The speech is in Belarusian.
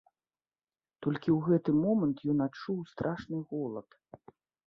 Толькі ў гэты момант ён адчуў страшны голад.